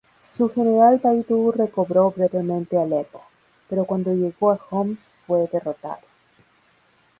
Su general Baidu recobró brevemente Alepo, pero cuando llegó a Homs fue derrotado.